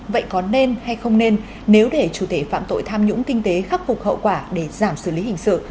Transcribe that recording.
vậy có nên hay không nên nếu để chủ thể phạm tội tham nhũng kinh tế khắc phục hậu quả để giảm xử lý hình sự